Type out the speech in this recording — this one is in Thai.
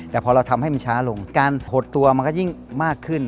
แต่พอเราทำให้มันช้าลงการหดตัวมันก็ยิ่งมากขึ้น